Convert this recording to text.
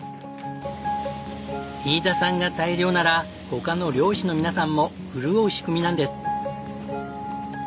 飯田さんが大漁なら他の漁師の皆さんも潤う仕組みなんです。